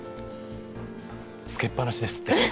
つけっぱなしですって。